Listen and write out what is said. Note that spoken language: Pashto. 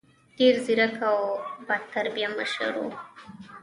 ډېر ځیرک او باتدبیره مشر و.